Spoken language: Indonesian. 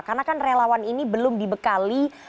karena kan relawan ini belum dibekali